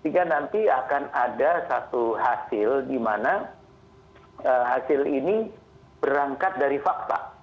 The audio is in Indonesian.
sehingga nanti akan ada satu hasil di mana hasil ini berangkat dari fakta